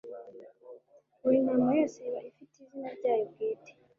Buri ntama yose iba ifite izina ryayo bwite,